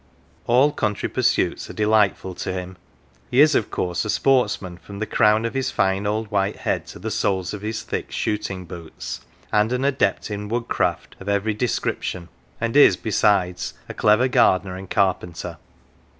All country pursuits are delightful to him. He is, of course, a sportsman from the crown of his fine old white head to the soles of his thick shooting boots, and an adept in woodcraft of every description, and is, besides, a clever gardener and carpenter.